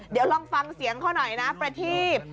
เดี๋ยวลองฟังเสียงเขาหน่อยนะประทีบ